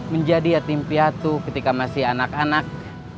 menjadi yatim piatu ketika masih anak anak